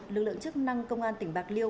lực lượng chức năng công an tỉnh bạc liêu